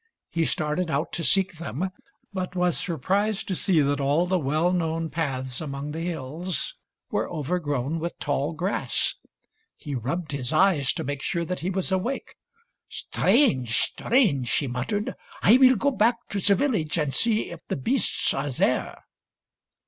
He started out to seek them, but was surprised to see that all the well known paths among the hills were overgrown with tall grass. He rubbed his eyes to make sure that he was awake. " Strange ! strange !" he muttered. " I will go back to the village and see if the beasts are there."